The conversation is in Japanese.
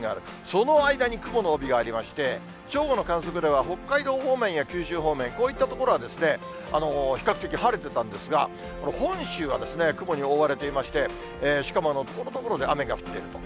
その間に雲の帯がありまして、正午の観測では北海道方面や九州方面、こういった所はですね、比較的晴れてたんですが、この本州は、雲に覆われていまして、しかもところどころで雨が降っていると。